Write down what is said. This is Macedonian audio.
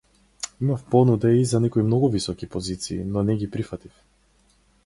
Имав понуда и за некои многу високи позиции, но не ги прифатив.